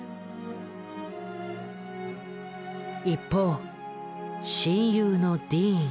一方親友のディーン。